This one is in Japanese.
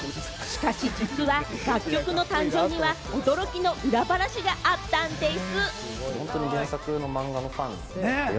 しかし実は楽曲の誕生には驚きの裏話があったんです。